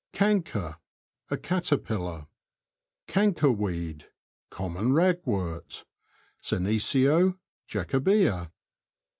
Canker. — A caterpillar. Canker weed. — Common ragwort [Senecio Jacoboea).